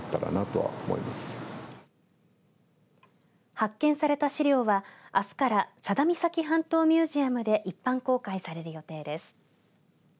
発見された資料は、あすから佐田岬半島ミュージアムで一般公開される予定です。